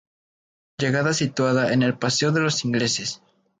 Llegada situada en el Paseo de los Ingleses.